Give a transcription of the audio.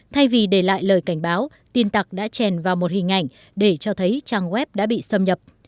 thay vì để lại lời cảnh báo tin tặc đã trèn vào một hình ảnh để cho thấy trang web đã bị xâm nhập